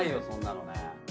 そんなのね。